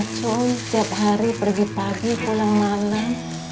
masuk siap hari pergi pagi pulang malem